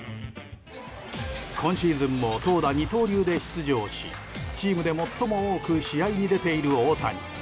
今シーズンも投打二刀流で出場しチームで最も多く試合に出ている大谷。